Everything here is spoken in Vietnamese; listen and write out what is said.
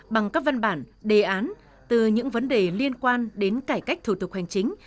bằng các văn bản đề án từ những vấn đề liên quan đến cải cách thủ tục hành chính